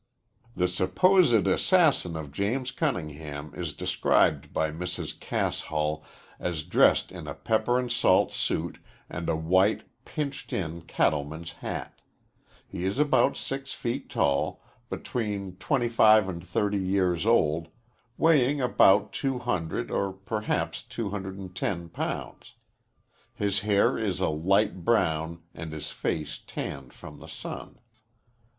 The supposed assassin of James Cunningham is described by Mrs. Cass Hull as dressed in a pepper and salt suit and a white, pinched in cattleman's hat. He is about six feet tall, between 25 and 30 years old, weighing about 200 or perhaps 210 pounds. His hair is a light brown and his face tanned from the sun.